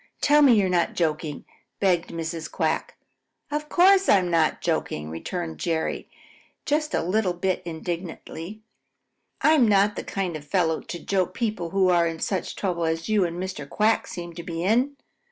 Tell me you're not joking," begged Mrs. Quack. "Of course I'm not joking," returned Jerry just a little bit indignantly, "I am not the kind of a fellow to joke people who are in such trouble as you and Mr. Quack seem to be in.